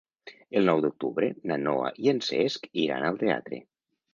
El nou d'octubre na Noa i en Cesc iran al teatre.